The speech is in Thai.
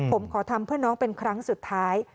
ผมขอทำเพื่อน้องเป็นครั้งสุดท้าย